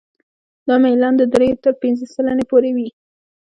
دا میلان د درې تر پنځه سلنې پورې وي